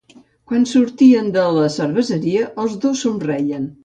Quan sortien de la cerveseria, els dos somreien.